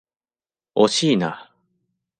惜しいな。